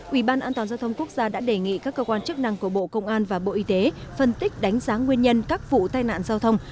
ubnd quốc gia đã đề nghị các cơ quan chức năng của bộ công an và bộ y tế phân tích đánh giá nguyên nhân các vụ tai nạn giao thông